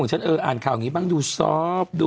เป็นการกระตุ้นการไหลเวียนของเลือด